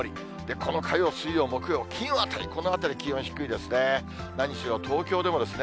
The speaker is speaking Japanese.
この火曜、水曜、木曜、金曜あたり、このあたり、気温低いですね。